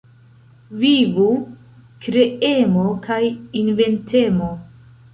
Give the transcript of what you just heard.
Vivu kreemo kaj inventemo.